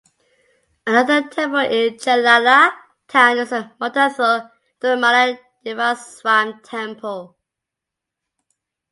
Another temple in Cherthala town is the Muttathu Thirumala Devaswam temple.